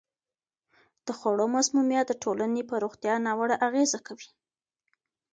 د خوړو مسمومیت د ټولنې په روغتیا ناوړه اغېزه کوي.